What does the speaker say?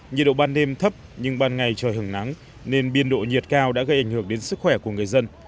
nhiệt độ ban đêm thấp nhưng ban ngày trời hứng nắng nên biên độ nhiệt cao đã gây ảnh hưởng đến sức khỏe của người dân